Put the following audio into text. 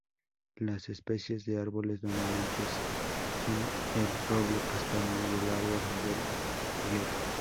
Las especies de árboles dominantes son el roble castaño y el árbol del hierro.